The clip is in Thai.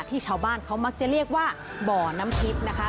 ชาวบ้านเขามักจะเรียกว่าบ่อน้ำทิพย์นะคะ